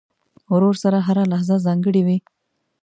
ورور سره هره لحظه ځانګړې وي.